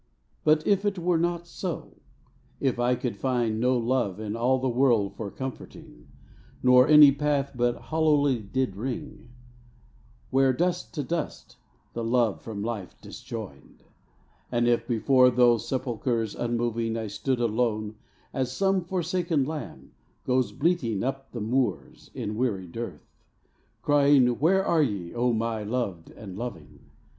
But if it were not so, — if I could find No love in all the world for comforting, Nor any path but hollowly did ring, Where "dust to dust"the love from life disjoined And if before those sepulchres unmoving I stood alone (as some forsaken lamb Goes bleating up the moors in weary dearth), Crying, " Where are ye, O my loved and loving?"